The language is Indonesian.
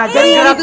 jangan inget riva